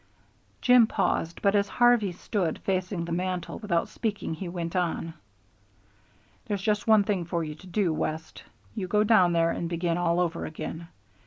Jim paused, but as Harvey stood facing the mantel without speaking he went on: "There's just one thing for you to do, West. You go down there and begin all over again.